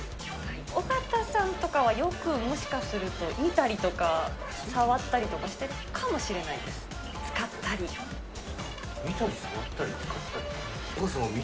尾形さんとかはよくもしかすると見たりとか、触ったりとかしてるかもしれないです。